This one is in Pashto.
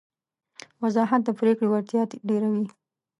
وضاحت د پرېکړې وړتیا ډېروي.